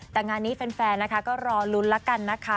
แต่งานนี้แฟนนะคะก็รอลุ้นละกันนะคะ